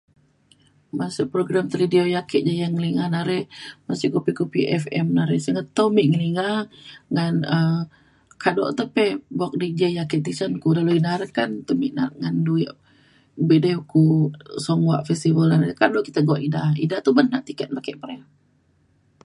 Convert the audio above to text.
man sik program talidio ya' ake nyaik ngeringa na are ukuk sik kupi kupi fm na re singket tau mik ngeringa ngan um kaduk te pei bo' dj ya ake tisen ku dalau ina re kan peminat ngan du ya' be dai ku um songwak festival kaduk ke' teguk ida ida te ban nak tiket me ake pe re